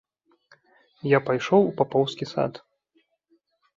Я пайшоў у папоўскі сад.